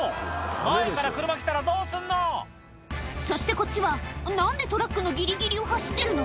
前から車来たらどうすんのそしてこっちは何でトラックのギリギリを走ってるの？